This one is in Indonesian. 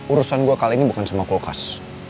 urusan gue kali ini bukan cuma kulkas